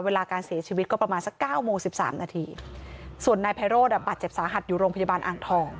เวลาการเสียชีวิตก็ประมาณสัก๙โมง๑๓นาทีส่วนนายพัยโรศปัจจับสาหัสอยู่โรงพยาบาลอ่างทอง